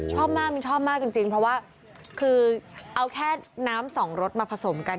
ชอบมากมินชอบมากจริงเพราะว่าคือเอาแค่น้ำสองรสมาผสมกัน